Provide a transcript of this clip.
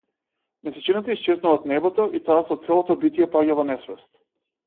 Месечината исчезнува од небото, и таа со целото битие паѓа во несвест.